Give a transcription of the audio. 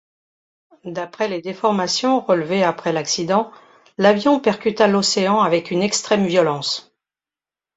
D'après les déformations relevées après l'accident, l'avion percuta l'océan avec une extrême violence.